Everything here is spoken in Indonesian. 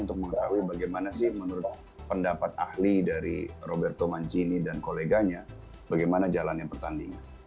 untuk mengetahui bagaimana sih menurut pendapat ahli dari roberto mancini dan koleganya bagaimana jalannya pertandingan